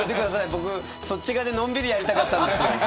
僕、そっち側でのんびりやりたかったんです。